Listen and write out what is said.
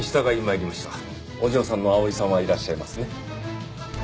お嬢さんの碧唯さんはいらっしゃいますね？